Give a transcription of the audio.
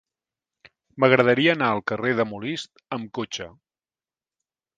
M'agradaria anar al carrer de Molist amb cotxe.